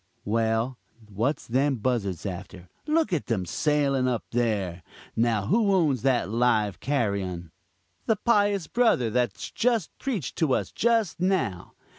Well, what's them buzzards after? look at them sailing up there. Now who owns that live carrion? the pious brother that's just preached to us just now.